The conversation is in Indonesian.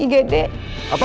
apa terus dimana kadang alika